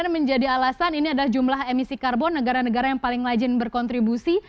menjadi alasan ini adalah jumlah emisi karbon negara negara yang paling lajin berkontribusi